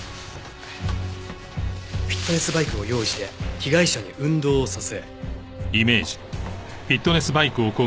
フィットネスバイクを用意して被害者に運動をさせ。